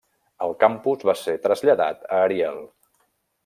El campus va ser traslladat a Ariel.